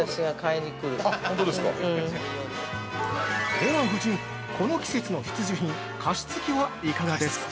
では夫人、この季節の必需品加湿器はいかがですか？